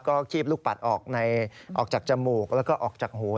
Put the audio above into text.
ก็คีบลูกปัดออกจากจมูกแล้วก็ออกจากหัว